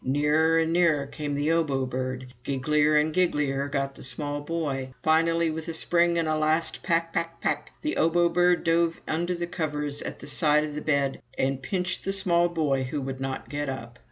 Nearer and nearer came the Obo Bird. Gigglier and gigglier got the small boy. Finally, with a spring and a last "Pak! Pak! Pak!" the Obo Bird dove under the covers at the side of the bed and pinched the small boy who would not get up.